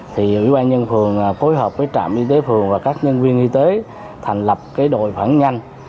thì ubnd phường phối hợp với trạm y tế phường và các nhân viên y tế thành lập đội phản nhanh